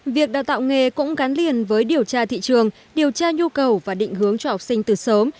việc đào tạo nghề cũng gắn liền với điều tra thị trường điều tra nhu cầu và định hướng cho học sinh từ sớm